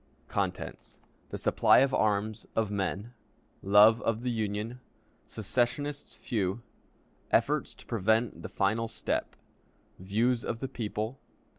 The Supply of Arms; of Men. Love of the Union. Secessionists few. Efforts to prevent the Final Step. Views of the People.